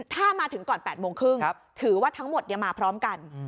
ถ้ามาถึงก่อน๘โมงครึ่งถือว่าทั้งหมดมาพร้อมกัน